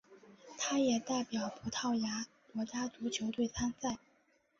他也代表葡萄牙国家足球队参赛。